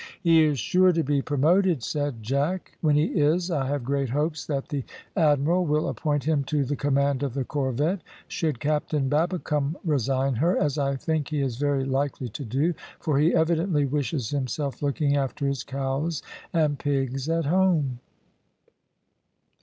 "He is sure to be promoted," said Jack. "When he is, I have great hopes that the admiral will appoint him to the command of the corvette, should Captain Babbicome resign her, as I think he is very likely to do, for he evidently wishes himself looking after his cows and pigs at home."